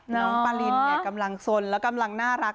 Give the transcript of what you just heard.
น้องปลารินเนี่ยกำลังสนแล้วกำลังน่ารัก